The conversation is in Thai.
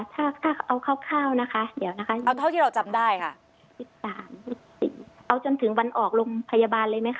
ถ้าเอาเท่าที่เราจำได้ครับ